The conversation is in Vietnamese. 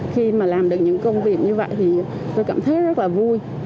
khi mà làm được những công việc như vậy thì tôi cảm thấy rất là vui